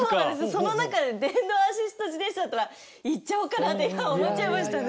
その中で電動アシスト自転車だったら行っちゃおうかなって今思っちゃいましたね。